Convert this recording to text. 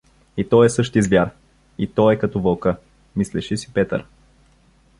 „И то е същи звяр, и то е като вълка“ — мислеше си Петър.